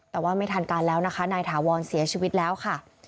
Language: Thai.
แต่ว่าไม่ทันการแล้วนะคะนายถาวรเสียชีวิตแล้วค่ะ